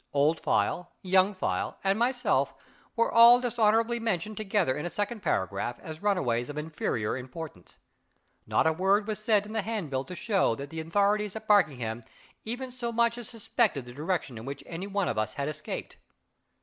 Old File, Young File, and myself were all dishonorably mentioned together in a second paragraph, as runaways of inferior importance Not a word was said in the handbill to show that the authorities at Barkingham even so much as suspected the direction in which any one of us had escaped.